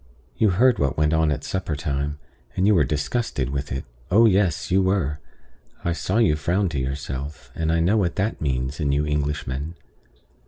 You heard what went on at supper time; and you were disgusted with it. Oh yes, you were! I saw you frown to yourself; and I know what that means in you Englishmen."